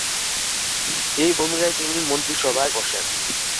এই ভূমিকায় তিনি মন্ত্রিসভায় বসেন।